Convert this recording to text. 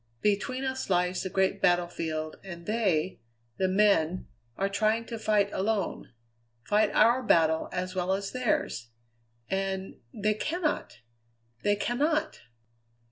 Between us lies the great battlefield, and they, the men, are trying to fight alone fight our battle as well as theirs. And they cannot! they cannot!"